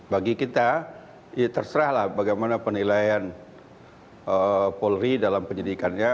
bagi kita terserahlah bagaimana penilaian polri dalam penyelidikannya